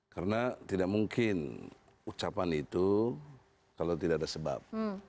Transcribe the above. karena tidak mungkin ucapan itu kalau tidak ada sebab